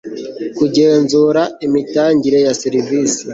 kugenzura imitangire ya serivisi